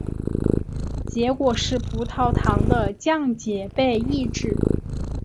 结果是葡萄糖的降解被抑制。